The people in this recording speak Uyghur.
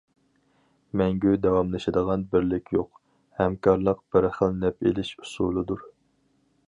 مەڭگۈ داۋاملىشىدىغان بىرلىك يوق، ھەمكارلىق بىر خىل نەپ ئېلىش ئۇسۇلىدۇر.